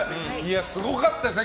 すごかったですね。